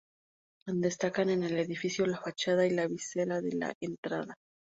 Destacan en el edificio la fachada y la visera de la entrada.